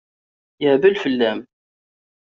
Yehbel fell-am.